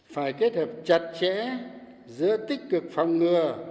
phải kết hợp chặt chẽ giữa tích cực phòng ngừa